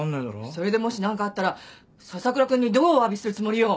それでもし何かあったら笹倉君にどうおわびするつもりよ。